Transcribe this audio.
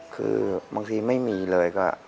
คือบางทีไม่มีเลยก็